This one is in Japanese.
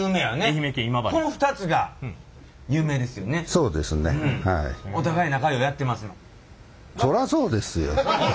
そうですねはい。